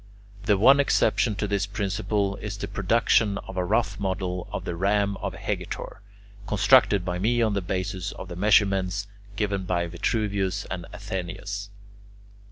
The one exception to this principle is the reproduction of a rough model of the Ram of Hegetor, constructed by me on the basis of the measurements given by Vitruvius and Athenaeus.